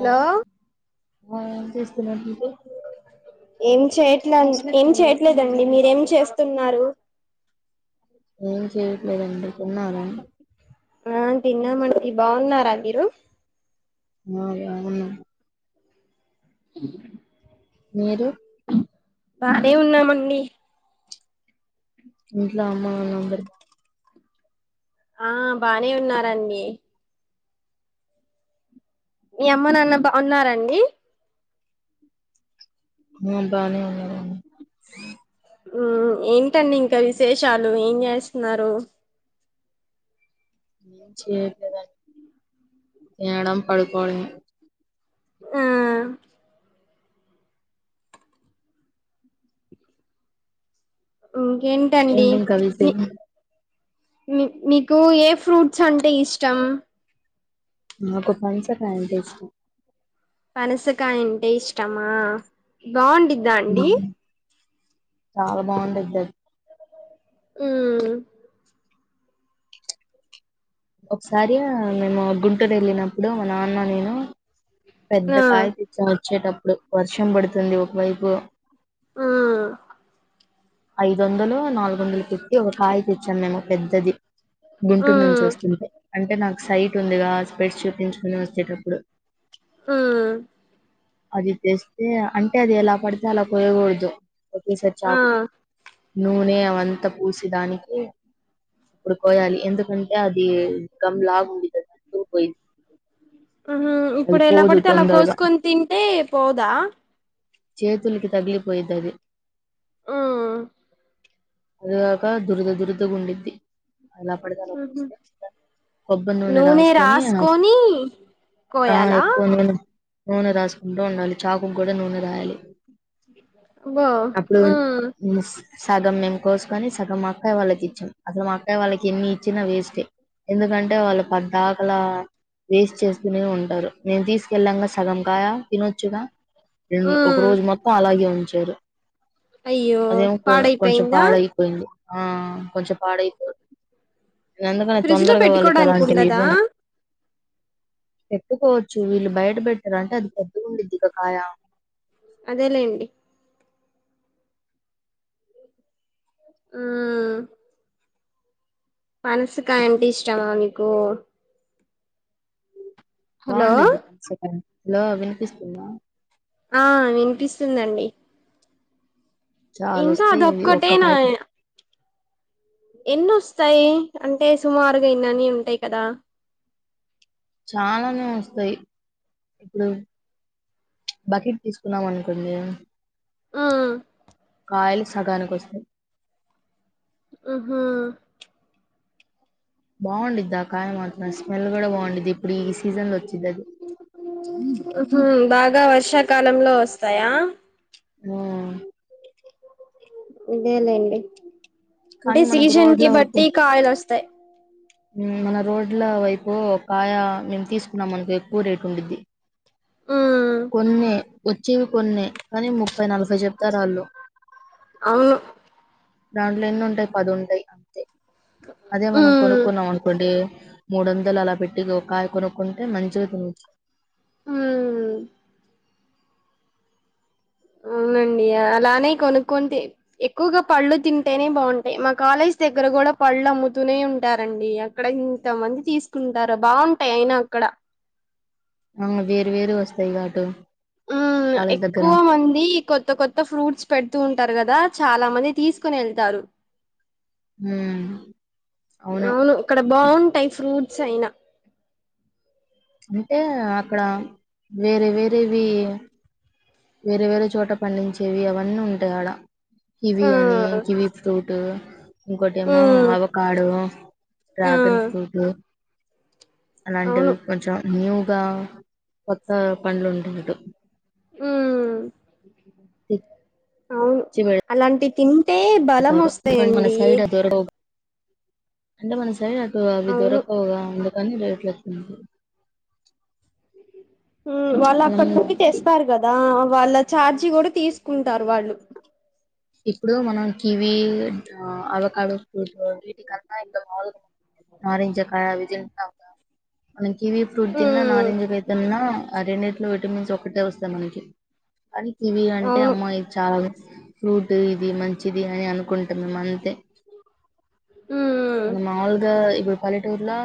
Hello ఆ ఏం చేస్తున్నారు మీరు ఏం చేయట్ల ఏం చేయట్లేదండి మీరేం చేస్తున్నారు ఏం చెయట్లేదండి తిన్నారా ఆ తిన్నామండి బాగున్నారా మీరు మయా అవును ఉ మీరు బానే ఉన్నామండి ఇట్లో అమ్మ నాన్న అందరు ఆ బానే ఉన్నారండి మీ అమ్మ నాన్న బా ఉన్నారండి ఉ బానే ఉన్నారు ఊ ఏంటండి ఇంకా విశేషాలు ఏం చేస్తున్నారు ఏం చేయట్లేదండి తినడం పడుకోవడం ఆ ఇంకేంటండి ఏంటి ఇంకా మీ విశేషం మీకు ఏ ఫ్రూట్స్ అంటే ఇష్టం నాకు పనసకాయ అంటె ఇష్టం పనసకాయ అంటే ఇష్టమా బాగుండిది చాలా బాగుండిది అది ఊ ఒకసారి మేము గుంటూరు వెళ్ళినప్పుడు మా నాన్న నేను పెద్ద ఆ కాయతచ్చం వచ్చేటప్పుడు వర్షం పడుతుంది ఒకవైపు ఆ ఐదు వందలు నాలుగు వందలు పెట్టి ఒక కాయ తెచ్చాము మేము పెద్దది గుంటూరు నుంచి మ్మ్ వస్తుంటే అంటే నాకు సైట్ ఉందిగా స్పెడ్స్ చూపించుకుని వచ్చేటప్పుడు ఆ అది తెస్తే అంటే అది ఎలా పడితే అలా కొయగూడదు ఒకే ఆ చాదు నూనె అవంత పూసి దానికి ఇప్పుడు కోయాలి ఎందుకంటే అది గమ్లాగు ఉంది కదా అందుకు పోయింది ఉహు అది ఇప్పుడు ఎలా పోదు పడితే అలా తొందరగా కోసుకొని తింటే పోదా చేతులకి తగిలిపోయితది ఉమ్ అదిగాక దురదదురదగా ఉండిద్ది అలా పడిదల వస్తే కొబ్బరి నూనె రాసుకొని ఆ కోయాలా ఎక్కువ నూనె నూనె రాసుకుంటూ ఉండాలి చాకు కూడా నూనె రాయాలి బా ఉమ్ ఎస్ సగం మేము కోసుకొని సగం మా అక్కయ వాళ్ళకి ఇచ్చాం అసలు మా అక్కయ్య వాళ్ళకి ఎన్ని ఇచ్చినా వేస్టే ఎందుకంటే వాళ్ళు పద్దకలా వేస్ట్ చేస్తూనే ఉంటరు నేను తీసుకెళ్లాంగా సగం కాయా తినొచ్చుగా ఉమ్ ఒక రోజు మొత్తం అలాగే ఉంచారు అయ్యో అదేమో కొంచెం పాడైపోయిందా పాడైపోయింది ఆ కొంచెం పాడై ఇగ అందుకని ఫ్రిడ్జ్ లో తొందరగా వాళ్ళకి పెట్టుకోడానికి అలాంటి ఉండదా వివ్వన పెట్టుకోవచ్చు వీళ్ళు బయట పెట్టారు అంటే అది పెద్ద్దగా ఉండిద్దిక కాయం అదేలేండి ఉమ్ మనసుకాయా అంటే ఇష్టమా మీకు హలో బాగుండది పనస్కయా లో వినిపిస్తుంద ఆ వినిపిస్తుందండి చాలా ఇంకా వస్తాయి అవి ఒక్క అదొక్కటేనా కాయకు ఎన్నోస్తాయి అంటే సుమారుగా ఇన్న అన్ని ఉంటాయి కదా చాననే వస్తయి ఇప్పుడు బకెట్ తీసుకున్నాం అనుకోండి ఆ కాయలు సగానికోస్తాయి ఆహ బాగుందిద్ది ఆ కాయ మాత్రం స్మెల్ కూడా బాగుంద్ది ఇప్పుడు ఈ సీజన్ లో వచ్చిది అది ఉహు బాగా వర్షాకాలంలో వస్తాయా ఆ ఇదేలేండి అంటే కానీ మనకు రోడ్ల సీజన్కి వైపు బట్టి కాయలస్ థై ఉమ్ మన రోడ్ల వైపు కాయ మేము తీసుకున్నాం అనకో ఎక్కువ రేట్ ఉంద్ది ఉమ్ కొన్ని వచ్చేవి కొన్ని కానీ ముప్పై నలభై చెప్తారాళ్ళు అవును దాంట్లో ఎన్ని ఉంటయి పది ఉంటయి అంతే అదే మనం ఉమ్ కొనుక్ మనుకోండి మూడు వందలు అలా పెట్టి కాయ కొనుక్కుంటే మంచిగా తినచ్చు ఉమ్ అవునండి అలానే కొనుక్కోనీ థిన్ ఎక్కువగా పళ్ళు తింటేనే బాంటయి మా కాలేజ్ దగ్గర కూడా పళ్ళు అమ్ముతూనే ఉంటారండి అక్కడ ఇంతమంది తీసుకుంటారు బాగుంటయి అయినా అక్కడ అవును వేరు వేరు వస్తయి గాటు ఉమ్ ఎక్కువ మంది కొత్త కొత్ త్త ఫ్రూట్స్ పెడుతూ ఉంటారు కదా చాలా మంది తీసుకుని వెళ్తారు ఉమ్ అవును అక్కడ బాగుంటయి ఫ్రూట్స్ అయినా అంటే అక్కడ వేరే వేరేవి వేరే వేరే చోట పండించేవి అవన్నీ ఉంటయి ఆడ కివి ఆ అని కివి ఫ్రూట్ ఇంకోటేమో మ్మ్ ఆవకాడో ఆ డ్రాగన్ ఫ్రూట్ అవును అలాంటివి కొంచెం న్యూగా కొత్త పండ్లు ఉంటున్నటు ఉమ్ తెచ్చి అవును అలాంటి తింటే బలం కం మన వస్తాయండి సైడ్ అది దొర్కెవ్ అంటే మన సైడ్ అటు అవి అవును దొరకవు గా అందుకని లేట్లు ఎక్కువ ఉంటాయి ఉ వాళ్ళు మనం అక్కడ నుండి తెస్తారు గదా వాళ్ళ ఛార్జి గూడా తీసుకుంటారు వాళ్ళు ఇప్పుడు మనం కివి ఆ అవకాడొ ఫ్రూట్స్ వీటి కన్నా ఎ బ ఆరెంజకాయ అవి తింటాగా మనం కివి ఫ్రూట్ తిన్నా మ్మ్ ఆరేంజ్ తిన్నా ఆ రెండిటిలో విటమిన్స్ ఒక్కటే వస్తది మనకి అది కివి అంటే అవును అమ్మో ఇది చాలా ఫ్రూట్ ఇది మంచిది అని అనుకుంటునం అంతే మ్మ్ మన మాముూలుగా ఇప్పుడు పల్లెటూరులో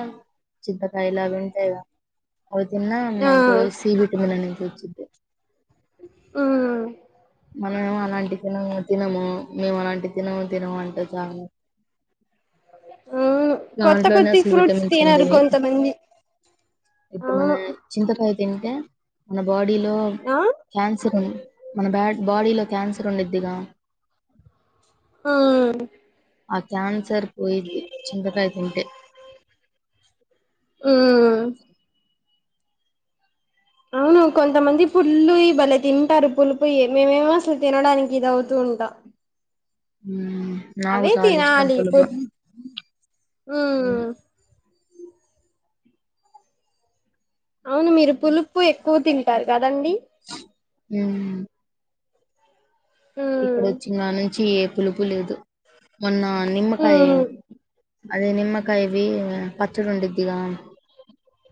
చింతకాయలు అవి ఉంటాయిగా అవి తిన్నా ఆ మనకు సి విటమిన్ అనేది వచ్చిది ఉ మనం అలాంటి తినము తినము మేము అలాంటి తినము తినము అంటే చాలా ఆ కొత్త దాంట్లోనే కొత్తి అసలు ఫ్రూట్స్ విటమిన్స్ ఉండేవి తినర్కుంత మంది ఇప్పుడు మన చింతకాయ తింటే మన బాడీలో ఆ క్యాన్సర్ ఉ మన బా బాడీలో క్యాన్సర్ ఉండుద్దిగా ఆ ఆ క్యాన్సర్ పోయిద్ది చింతకాయ తింటే ఉ అవును కొంతమంది పుల్లు ఇ బలే తింటారు పులుపుయి మిమేమో అసలు తినడానికి ఇది అవుతూ ఉంటాం ఊ నాకు అవే చాల ఇష్టం తినాలి పులుపు పుల్ ఉమ్ అ అవును మీరు పులుపు ఎక్కువ తింటారు గదండి ఉమ్ ఇక్కడ ఉమ్ వచ్చిన నుంచి ఏ పులుపు లేదు మొన్నా నిమ్మకాయె ఉమ్ అదే నిమ్మకాయవి పచ్చడుండిద్దిగా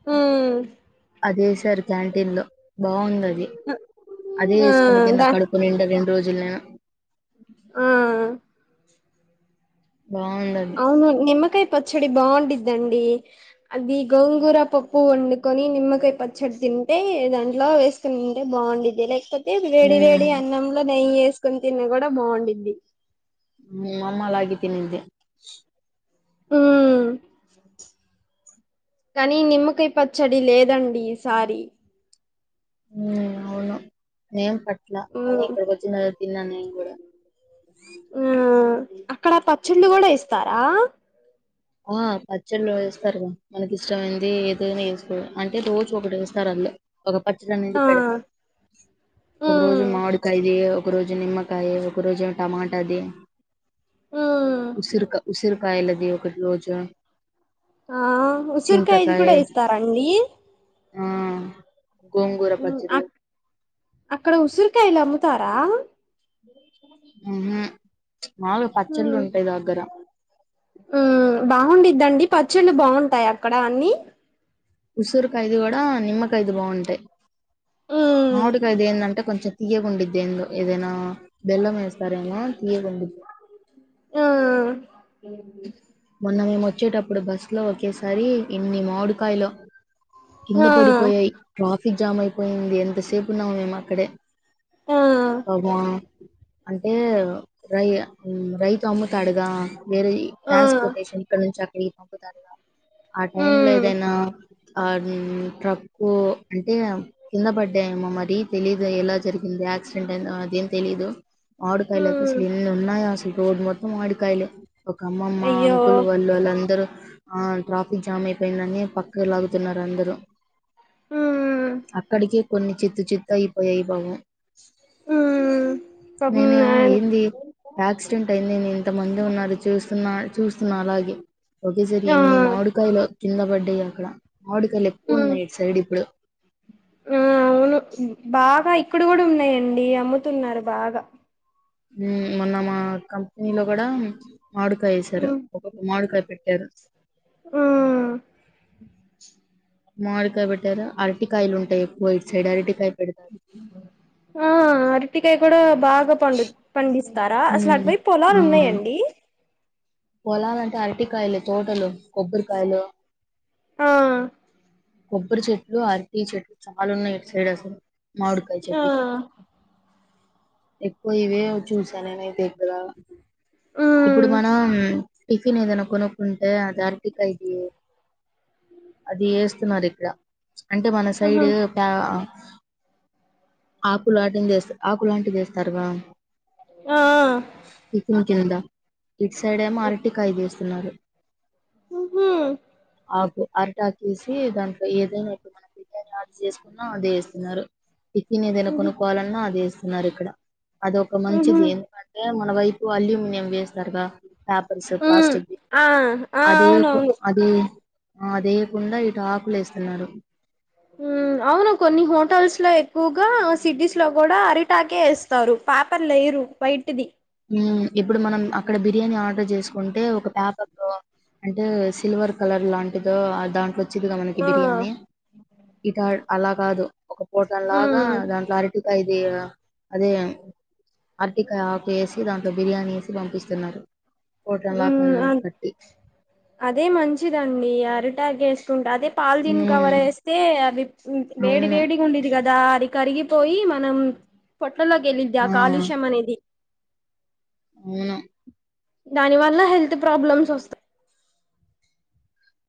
ఉ అదేసారు క్యాంటీన్లో బాగుంది అది అదే ఆ ఎస్కొని తిన్న దా కడుప్ కడుపునిండ రెండు రోజులు నేను ఆ బాగుంది అది అవును నిమ్మకాయ పచ్చడి బాగుండుద్దండీ అది గోంగూర పప్పు వండుకొని నిమ్మకాయ పచ్ఛడి తింటే దాంట్లో వేస్ తింటే బావుండుద్ది లేక్పోతే వేడి వేడి మ్మ్ అన్నంలో నెయ్యెస్కున్తిన్నా గూడా బావుండుద్ది మా మ్మమ్మా అలాగె తినింది ఊ కానీ నిమ్మకాయ్ పచ్చడి లేదండి ఈ సారి ఉం అవును నేన్పట్ల కానీ మ్మ్ ఇక్కడకొచ్చిన్ తరవాత్తిన్నా నేను గూడా ఉమ్ అక్కడ పచ్చళ్ళు కూడా ఏస్తారా ఆ పచ్చళ్ళు వేస్తారు మనకిస్ ష్టమైంది ఏదైనా యేస్కో అంటె రోజ్కొకటేస్తారు ఆల్ళు ఒక పచ్చడనేది ఆ పెడతారు ఒక రోజు మ్మ్ మాడికాయది ఒక రోజు నిమ్మకాయ ఒక రోజు టమాటాది మ్మ్ ఉసిరుకా ఉసిరకాయలది ఒకట్రోజు ఆ ఉసుర్కాయిది కూడా ఏస్తారాండి ఆ గోంగూర మ్మ్ పచ్చడి అక్ అక్కడ ఉసిరికాయలమ్ముతారా [unintelligible] ఉహు మాలుగ పచ్చళ్ళుంటాయి దగ్గర ఊ బావుండిద్దండి పచ్చళ్ళు బాగుంటాయా అక్కడ అన్నీ ఉసూరుకాయిది గూడా నిమ్మకాయిది బావుంటాయి మ్మ్ మామిడికాయిది ఏందంటే కొంచెం తీయగుండుద్దెందో ఏదేనా బెల్లమేస్తారేమో తీయగుండి ఆ మొన్న మేమొచ్చేటప్పుడు బస్లో ఒకేసారి ఇన్ని మావుడికాయలు కింద ఆ పడిపోయాయి ట్రాఫిక్ జామ్ అయిపోయింది ఎంతసేపున్నామొ మేమక్కడే ఆ అవా అంటే రై రైతమ్ముతాడుగా వేరే ఇ ఆ ట్రాన్స్పోర్టేషన్ క్కడ నుంచి అక్కడికి పంపుతారుగా ఆ టైమ్ లో మ్మ్ ఏదైనా అది ట్రక్కు అంటే ఇగ కింద పడ్డాయేమో మరి తెలీదు యెలా జరిగింది యాక్సిడెం అదేం తెలీదు మమాడికాయలు అయితే మ్మ్ ఫుల్ ఉన్నాయి అసలు రోడ్డు మొత్తం మోడికాయలు అమ్మమ్మా అయ్యో అంకుల్ వాళ్ళుళ్ళందరూ ఆ ట్రాఫిక్ జామ్ అయిపోయిందని పక్క లాగుతున్నారందరూ మ్మ్ అక్కడికే కొన్ని చిత్తు చిత్తయిపోయాయి పాపం ఉమ్ పాపం నేనేమో ఏందీ యాక్సిడెంట్ అయింది నేను తమంది ఉన్నారు చూస్తున్నా చూస్తున్నా అలాగె ఒకేసారి ఆ ఎన్ని మోడికాయలో కింద పడ్డయి అక్కడ మోడికాయలు ఎక్కువున్నయి ఇట్సైడ్ ఇప్పుడు ఉ అవును బాగా ఇక్కడ గూడ ఉన్నయండి అమ్ముతున్నారు బాగా ఊ మొన్న మా కంప్నీలో గూడా మాడుకాయ యేసేరు మామిడికాయ పెట్టేరు ఆ మాడికాయ పెట్టారా అరటికాయలుంటాయి ఎక్కువ ఇట్సైడ్ అరటికాయ పెడతారు ఆ అరటికాయ కూడా బాగా పండు పండిస్ స్తారా అసలు ఉమ్, అటువైపు పొలాలు ఉన్నాయండి పొలలు అంటే అరటికాయలు తోటలు కొబ్బరికాయలు ఆ కొబ్బరి చెట్లు అరటి చెట్లు చాలా ఉన్నాయి ఇటు సైడ్ అసలు మామిడికాయ ఆ చెట్లు ఎక్కువ ఇవే చూసానేైతే ఇక్కడ ఇప్పుడు ఉమ్ మనం టిఫిన్ ఏదైనా కొనుక్కుంటే అది ఆర్టికా ఇది అది ఏసు స్తున్నారు ఇక్కడ అంటే మన సైడ్ ఆహా ఆ ఆకులు లాంటి అస్త ఆకులాంటివి ఏస్తారుగా ఆ పిక్న్ కింద ఇట్ సైడెమో ఆరటికాయదిస్తున్నారు ఉహు ఆకు అరటాకేసి దాంట్లో ఏదైనా ఇప్పుడు మన బిర్యానీ ఆకు చేసుకున్నా అదే ఇస్తున్నారు టిఫీన్ ఏదైనా ఉహు కొనుక్కోవాలన్నా అది ఇస్తున్నారు ఇక్కడ అద ఒక ఉహు మంచిది ఎందుకంటే మన వైపు అల్యూమినియం చేస్ లాటి గా పేపర్స్ ఉమ్ ప్లాస్టిక్ ఆ ఆ అది ప్ అవునవును అది ఆదేయకుండా ఇటు ఆకులు ఏస్తున్నారు హ్మ్ అవును కొన్ని హోటల్స్ లో ఎక్కువగా సిటీస్ లో కూడా అరిటాకే ఏస్తారు పేపర్లు ఏయ్యారు. వైటిది వ్మ్ ఇప్పుడు మనం అక్కడ బిర్యానీ ఆర్డర్ చేసుకుంటే ఒక పేపర్ తో అంటే సిల్వర్ కలర్ లాంటిదో ఆ దాంట్లో మంచిదిగా మనకి ఆ బిర్యానీ ఇగ అలా కాదు ఒక పోట లాగా మ్మ్ దాంట్లో అర్ టికాది అదే అరటికాయ ఆకు వేసి దాంట్లో బిర్యానీ ఏసి పంపిస్త తన్నారు పొట్నం లాగా అన్ కట్టి అదే మంచిదండి అరిటాగ్ ఏసుకుంటా అదే పాల్ దీన్ కవర్ ఉమ్ ఏస్తే అవి వేడి అవును వేడిగా ఉండేది కదా అది కరిగిపోయి మనం పోట్లలోగ్ ఎల్లిది ఆ కాలుష్యం మనేది అవును దాని వల్ల హెల్త్ ప్రాబ్లమ్స్ వస్త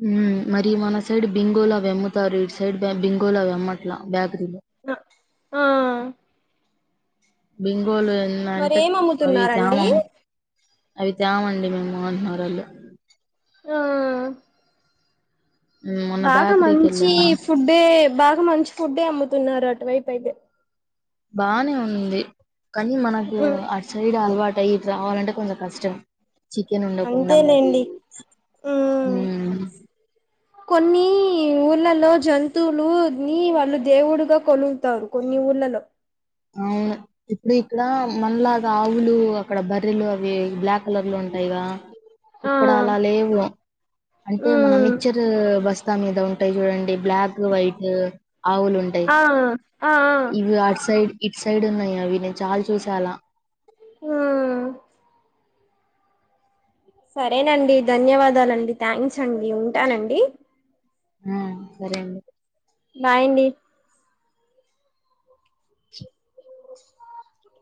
వ్మ్ మరి మన సైడ్ బింగోలా అవి అమ్ముతారు ఇట్ సైడ్ బింగోల అవి అమ్మ బేకరిలో ఆ బింగోలు ఎ అంట మరేం అవి అమ్ముతున్నారండి తామమ్ అవి తామండి మేము మా అటునర్రాళ్ళు ఆ మొన్న బాగా బేకరీకి మంచి వెళ్ళా ఫుడ్డే బాగా మంచి ఫుడ్డే అమ్ముతున్నారు అటువైపు అయితే బానే ఉంది కానీ మనకు మ్మ్ ఆట్ సైడ్ అలవాటు అయ్యి ఇటు రావాలంటే కొంచెం కష్టం చికెన్ ఉండకుండా మరి అంతేలేండి మ్మ్ వ్మ్ కొన్ని ఊళ్లలో జంతువులు ని వాళ్ళు దేవుడుగా కొలుగుతారు కొన్ని ఊళ్లలో అవును ఇప్పుడు ఇక్కడ మన్లగా ఆవులు అక్కడ బర్రెలు అవి బ్లాక్ కలర్లు ఉంటాయిగా ఆ ఇక్కడ అలా లేవు అంటే మన మ్మ్ మిక్చర్ బస్తా మీద ఉంటాయి చూడండి బ్లాక్ వైట్ ఆవులు ఉంటాయి ఆ ఆ ఇవి అటు సైడ్ ఇటు సైడ్ ఉన్నాయి అవి నేను చాలా చూసే అలా హ్మ్ సరేనండి ధన్యవాదాలండి థ్యాంక్స్ అండి ఉంటానండి ఆ సరే అండి బాయ్ అండి [unintelligible]